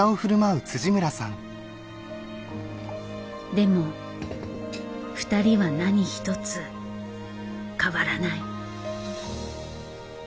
でもふたりは何一つ変わらない。